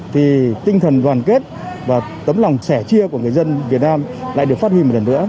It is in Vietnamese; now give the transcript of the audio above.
thì tinh thần đoàn kết và tấm lòng sẻ chia của người dân việt nam lại được phát huy một lần nữa